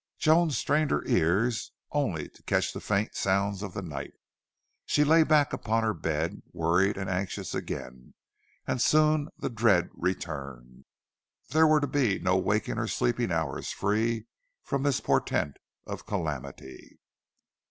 Joan strained her ears, only to catch the faint sounds of the night. She lay back upon her bed, worried and anxious again, and soon the dread returned. There were to be no waking or sleeping hours free from this portent of calamity.